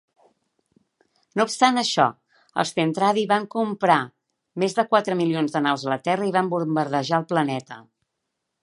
No obstant això, els Zentradi van comprar més de quatre milions de naus a la Terra i van bombardejar el planeta.